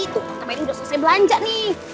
tante meli udah selesai belanja nih